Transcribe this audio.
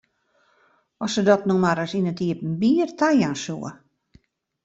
As se dat no mar ris yn it iepenbier tajaan soe!